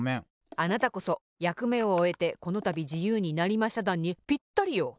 あなたこそ「やくめをおえてこのたびじゆうになりましただん」にぴったりよ。